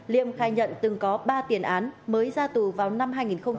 liêm khai nhận từng có ba tiền án mới ra tù vào năm hai nghìn một mươi